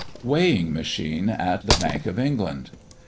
WEIGHING MACHINE AT THE BANK OF ENGLAND.